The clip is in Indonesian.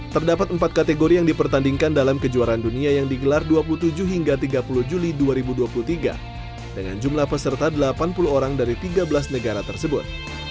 terdapat empat kategori yang dipertandingkan dalam kejuaraan dunia yang digelar dua puluh tujuh hingga tiga puluh juli dua ribu dua puluh tiga dengan jumlah peserta delapan puluh orang dari tiga belas negara tersebut